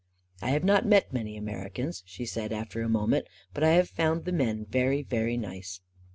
" I have not met many Americans, " she said, after a moment " But I have found the men very, very nice."